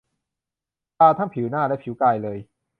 ทาทั้งผิวหน้าและผิวกายเลย